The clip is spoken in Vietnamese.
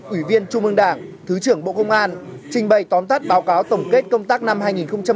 ủy viên trung ương đảng thứ trưởng bộ công an trình bày tóm tắt báo cáo tổng kết công tác năm hai nghìn hai mươi